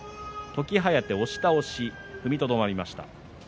時疾風、押し倒し踏みとどまりました。